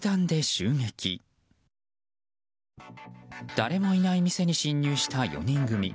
誰もいない店に侵入した４人組。